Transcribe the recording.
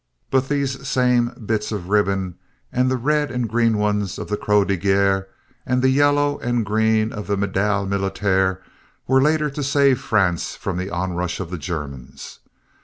But these same bits of ribbon and the red and green ones of the Croix de Guerre and the yellow and green of the Médaille Militaire were later to save France from the onrush of the Germans.